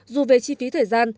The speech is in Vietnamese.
dù về chi phí thời gian